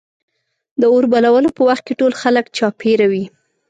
د اور بلولو په وخت کې ټول خلک چاپېره وي.